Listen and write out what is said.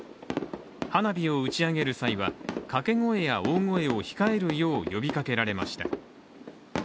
花火を打ち上げる際は掛け声や大声を控えるよう呼びかけられました。